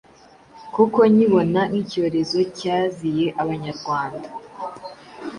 kuko nkibona nk’icyorezo cyaziye Abanyarwanda